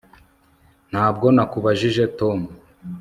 ntabwo nakubajije, tom